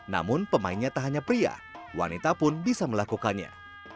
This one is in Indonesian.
namun pemainnya tak hanya pria wanita pun bisa melakukannya